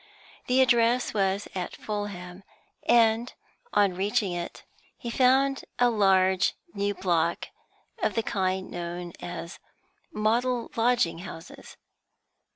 The address was at Fulham, and, on reaching it, he found a large new block of the kind known as model lodging houses.